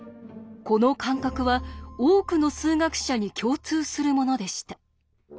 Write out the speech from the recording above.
この感覚は多くの数学者に共通するものでした。